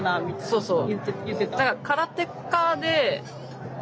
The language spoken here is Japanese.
そうそう。